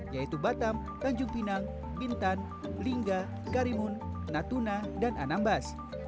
yaitu batam tanjung pinang bintan lingga karimun natuna dan anambas